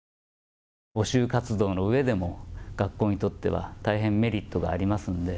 募集活動のうえでも学校にとってはメリットがありますので。